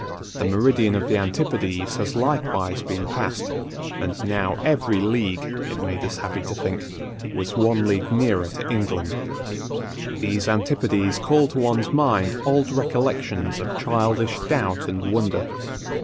The meridian of the Antipodes has likewise been passed; and now every league, it made us happy to think, was one league nearer to England. These Antipodes call to one's mind old recollections of childish doubt and wonder.